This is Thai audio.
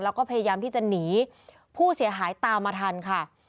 แล้วก็พยายามที่จะหนีผู้เสียหายตามมาทันค่ะ